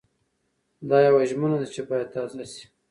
دا يوه ژمنه ده چې بايد تازه شي.